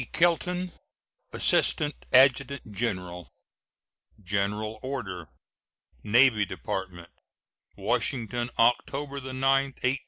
KELTON, Assistant Adjutant General. GENERAL ORDER. NAVY DEPARTMENT, Washington, October 9, 1869.